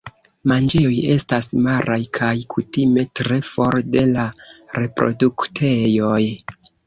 Manĝejoj estas maraj kaj kutime tre for de la reproduktejoj.